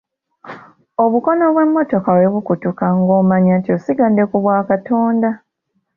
Obukono bw'emmotoka bwe bukutuka ng'omanya nti osigadde ku bwakatonda.